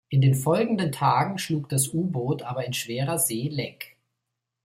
In den folgenden Tagen schlug das U-Boot aber in schwerer See leck.